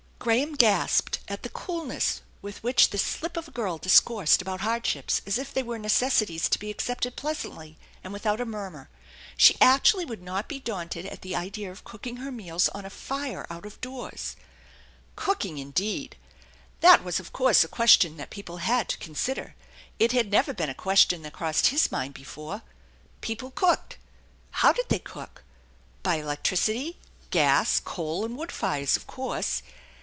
Graham gasped at the coolness with which this slip of a girl discoursed about hardships as if they were necessities to be accepted pleasantly and without a murmur. She actually would not be daunted at the idea of cooking her meals on a fire 78 THE ENCHANTED BARNT out of doors ! Cooking indeed ! That was of course a question that people had to consider. It had never been a question that crossed his mind before. People cooked how did they cook? By electricity, gas, coal and wood fires, of course.